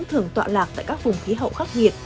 thường tọa lạc tại các vùng khí hậu khắc nghiệt